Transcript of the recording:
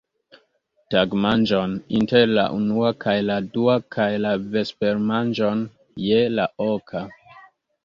tagmanĝon inter la unua kaj la dua kaj la vespermanĝon je la oka.